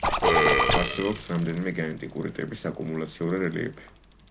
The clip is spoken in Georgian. არსებობს რამდენიმე გენეტიკური ტიპის აკუმულაციური რელიეფი.